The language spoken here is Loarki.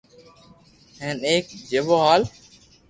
ھين ايڪ جيوہ ھال